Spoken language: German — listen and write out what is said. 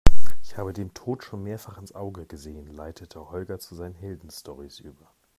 Ich habe dem Tod schon mehrfach ins Auge gesehen, leitete Holger zu seinen Heldenstorys über.